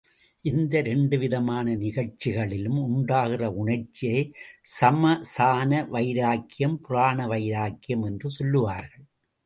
இந்த இரண்டுவிதமான நிகழ்ச்சிகளிலும் உண்டாகிற உணர்ச்சியை ஸ்மசான வைராக்கியம், புராண வைராக்கியம் என்று சொல்லுவார்கள்.